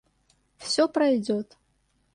Все пройдет.